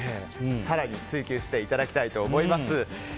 更に追求していただきたいと思います。